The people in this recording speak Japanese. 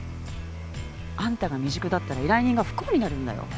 あんたが未熟だったら依頼人が不幸になるんだよ